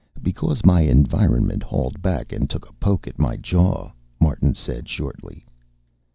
"Because my environment hauled back and took a poke at my jaw," Martin said shortly.